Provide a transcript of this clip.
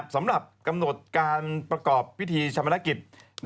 สำหรับกำหนดการประกอบพิธีชามนกิจ